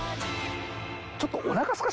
ちょっと。